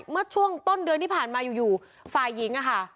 เมื่อช่วงต้นเดือนที่ผ่านมาอยู่ฝ่ายหญิงอะค่ะ